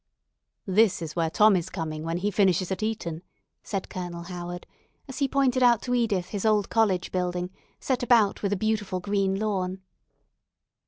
"This is where Tom is coming when he finishes at Eton," said Colonel Howard, as he pointed out to Edith his old college building set about with a beautiful green lawn.